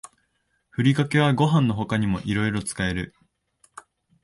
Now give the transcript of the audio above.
ふりかけはご飯の他にもいろいろ使える